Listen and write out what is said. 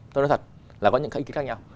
tôi nói thật là có những cái ý kiến khác nhau